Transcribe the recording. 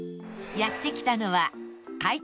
やって来たのは開湯